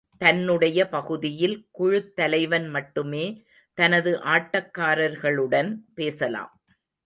தன்னுடைய பகுதியில் குழுத் தலைவன் மட்டுமே தனது ஆட்டக்காரர்களுடன் பேசலாம்.